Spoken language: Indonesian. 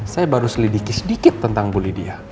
saya baru selidiki sedikit tentang bu lydia